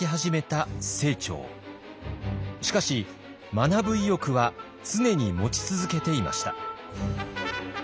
しかし学ぶ意欲は常に持ち続けていました。